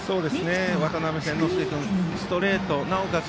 渡邉千之亮君ストレート、なおかつ